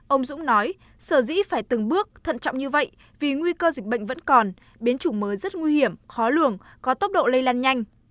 ông dũng nói sở dĩ phải từng bước thận trọng như vậy vì nguy cơ dịch bệnh vẫn còn biến chủng mới rất nguy hiểm khó lường có tốc độ lây lan nhanh